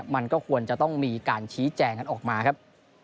มันก็ควรจะต้องมีการชี้แจงกันออกมาครับ